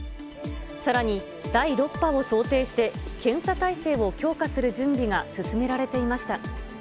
さらに第６波を想定して、検査体制を強化する準備が進められていました。